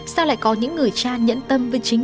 sao lại có những người cha nhẫn tâm với chính